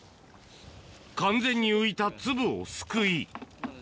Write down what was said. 完全に浮いた粒をすくい。